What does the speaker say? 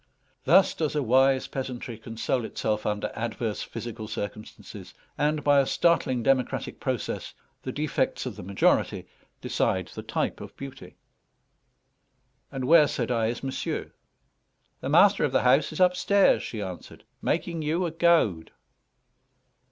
Thus does a wise peasantry console itself under adverse physical circumstances, and, by a startling democratic process, the defects of the majority decide the type of beauty. "And where," said I, "is monsieur?" "The master of the house is upstairs," she answered, "making you a goad."